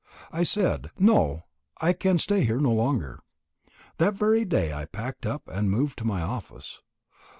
I said; "No, I can stay here no longer." That very day I packed up, and moved to my office.